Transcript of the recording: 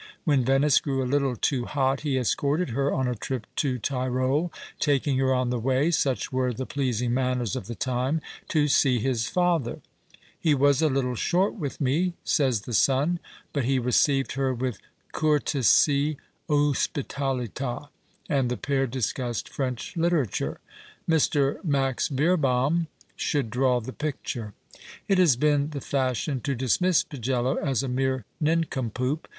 When Venice grew a little too hot he escorted her on a trip to Tirol, taking her on the way (such were the pleas ing manners of the time) to see his father ! He was a little short wth mc, says the son, but he received her with cortesi ospitaUta, and the pair discussed French literature. Mr. Max Becrbohm should draw the picture. It has been the fashion to dismiss Pagello as a mere nincompoop.